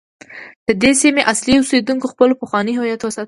د دې سیمې اصلي اوسیدونکو خپل پخوانی هویت وساته.